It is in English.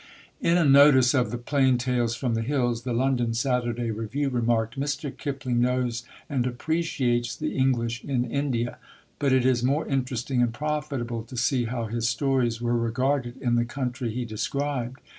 In a notice of the Plain Tales from the Hills, the London Saturday Review remarked, "Mr. Kipling knows and appreciates the English in India." But it is more interesting and profitable to see how his stories were regarded in the country he described.